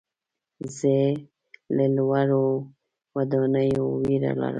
زه له لوړو ودانیو ویره لرم.